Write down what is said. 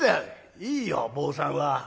「いいよ坊さんは。